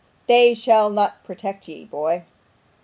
'They shall not protect ye boy!